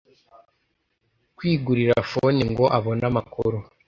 kwigurira phone ngo abone amakuru